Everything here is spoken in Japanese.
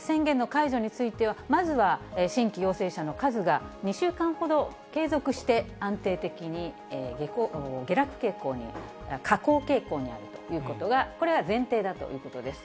宣言の解除については、まずは新規陽性者の数が２週間ほど継続して、安定的に下落傾向に、下降傾向にあるということが、これは前提だということです。